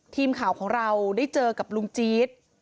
ทีมข่าวของเราได้เจอกับลุงจี๊ด